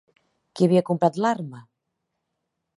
Qui havia comprat l'arma?